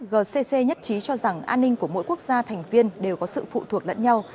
gcc nhất trí cho rằng an ninh của mỗi quốc gia thành viên đều có sự phụ thuộc lẫn nhau